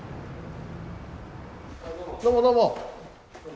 どうもどうも。